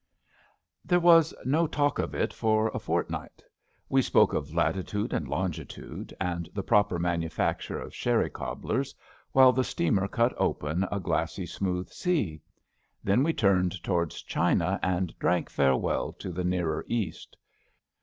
rpHERE was no talk of it for a fortnight. We spoke of latitude and longitude and the proper manufacture of sherry cobblers, while the steamer cut open a glassy smooth sea. Then we turned towards China and drank farewell to the nearer East.